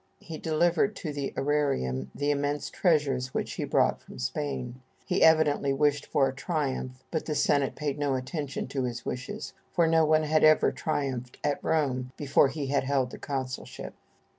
He delivered to the ærarium the immense treasures which he brought from Spain. He evidently wished for a triumph, but the senate paid no attention to his wishes, for no one had ever triumphed at Rome before he had held the consulship.